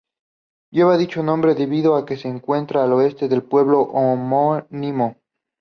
Lleva dicho nombre debido a que se encuentra al oeste del pueblo homónimo.